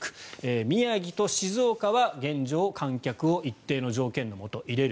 宮城と静岡は現状観客を一定の条件のもと入れる。